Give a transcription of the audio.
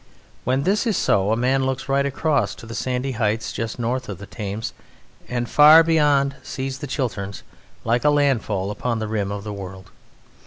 When this is so, a man looks right across to the sandy heights just north of the Thames, and far beyond he sees the Chilterns, like a landfall upon the rim of the world.